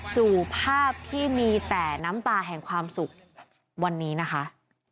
สู่ภาพที่มีแต่น้ำตาแห่งความสุขวันนี้นะคะ